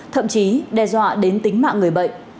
thậm chí đe dọa đến tính mạng người bệnh